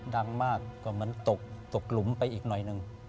ดังมากก็เหมือนตกหลุมไปอีกหน่อยหนึ่ง